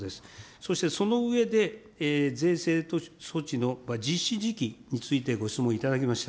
そして、その上で税制措置の実施時期についてご質問いただきました。